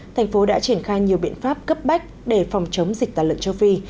thành phố đã triển khai nhiều biện pháp cấp bách để phòng chống dịch tả lợn châu phi